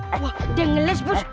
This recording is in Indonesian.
wah udah ngeles bos